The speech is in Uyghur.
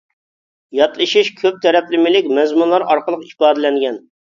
ياتلىشىش كۆپ تەرەپلىمىلىك مەزمۇنلار ئارقىلىق ئىپادىلەنگەن.